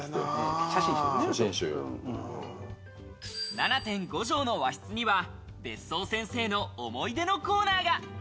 ７．５帖の和室には別荘先生の思い出のコーナーが。